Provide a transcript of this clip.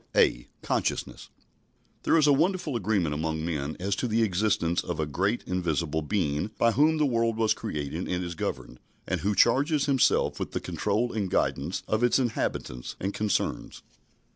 (a) (Consciousness) There is a wonderful agreement among men as to the existence of a great invisible Being by whom the world was created and is governed, and who charges Himself with the control and guidance of its inhabitants and concerns.